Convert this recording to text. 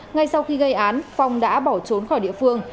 ngay sau khi gây án phong đã bỏ trốn khỏi địa phương